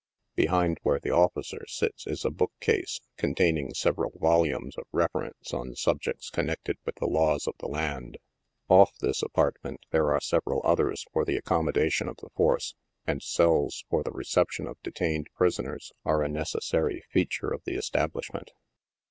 Behind where the officer sits is a book case, containing several volumes of reference on subjects connected with the laws of the land. Off this apartment, there are several others for the accommodation of the force, and cells for the recep tion of detained prisoners are a necessary feature of the establish ment.